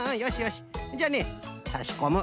じゃあねさしこむ。